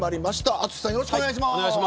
淳さん、よろしくお願いします。